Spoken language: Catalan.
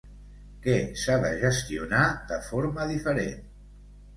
Què s'ha de gestionar de forma diferent?